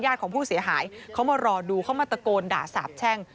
ของผู้เสียหายเขามารอดูเขามาตะโกนด่าสาบแช่ง